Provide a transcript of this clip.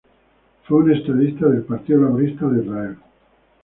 Fue un estadista del Partido Laborista de Israel.